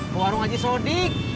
ke warung haji sodik